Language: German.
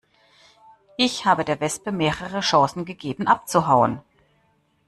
Ich habe der Wespe mehrere Chancen gegeben, abzuhauen.